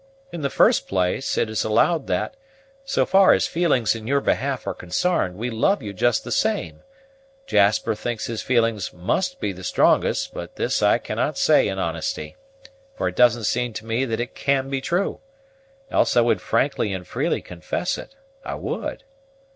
In the first place, it is allowed that, so far as feelings in your behalf are consarned, we love you just the same; Jasper thinks his feelings must be the strongest, but this I cannot say in honesty, for it doesn't seem to me that it can be true, else I would frankly and freely confess it, I would.